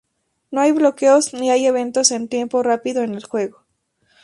No hay bloqueos ni hay eventos en tiempo rápido en el juego.